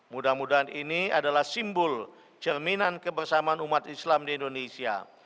mudah mudahan ini adalah simbol cerminan kebersamaan umat islam di indonesia